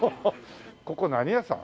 ここは何屋さん？